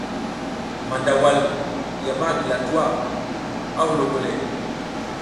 Mandawal ya ma gila tuwa, a huloko le.